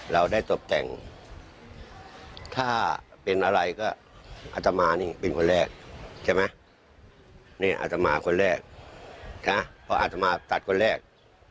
เราได้ตบแต่งถ้าเป็นอะไรก็อัตมานี่เป็นคนแรกใช่ไหมนี่อาตมาคนแรกนะเพราะอาตมาตัดคนแรก